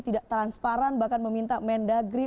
tidak transparan bahkan meminta mendagri